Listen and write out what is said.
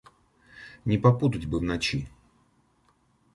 Не попутать бы в ночи.